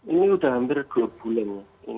ini sudah hampir dua bulan